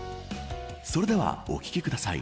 それでは、おききください。